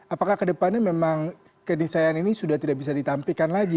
apakah kedepannya memang kedisayaan ini sudah tidak bisa ditampilkan lagi